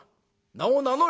名を名乗れ！」。